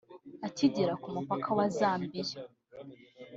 Akigera ku mupaka wa Zambia